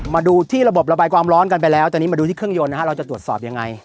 มาดูที่ระบบระบายความร้อนกันไปแล้วตอนนี้มาดูที่เครื่องยนต์นะฮะเราจะตรวจสอบยังไง